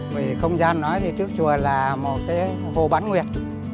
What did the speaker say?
về không gian nói thì trước chùa là một cái hồ bán nguyệt